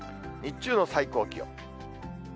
日中の最高気温。